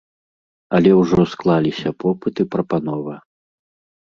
Але ўжо склаліся попыт і прапанова.